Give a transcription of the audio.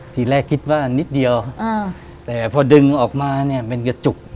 ทีแรกคิดว่านิดเดียวแต่พอดึงออกมาเนี่ยเป็นกระจุก